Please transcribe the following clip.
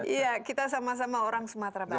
iya kita sama sama orang sumatera barat